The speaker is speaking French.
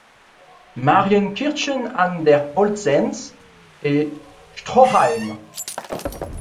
Marienkirchen an der Polsenz et Stroheim.